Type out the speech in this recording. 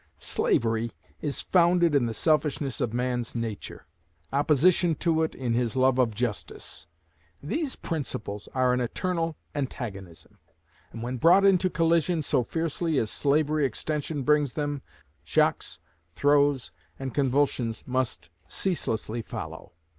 Slavery is founded in the selfishness of man's nature; opposition to it, in his love of justice. These principles are an eternal antagonism; and when brought into collision so fiercely as slavery extension brings them, shocks, throes, and convulsions must ceaselessly follow.